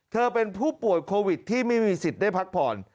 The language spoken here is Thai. เป็นผู้ป่วยโควิดที่ไม่มีสิทธิ์ได้พักผ่อน